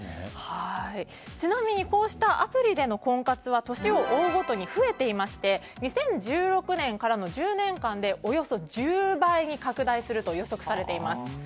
ちなみにこうしたアプリでの婚活は年を追うごとに増えていまして２０１６年からの１０年間でおよそ１０倍に拡大すると予測されています。